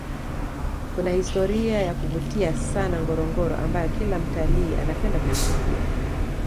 kuna historian ya kuvutia sana ngorongoro ambayo Kila mtalii anapenda kuisikia